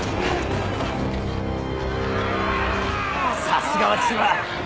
さすがは千葉。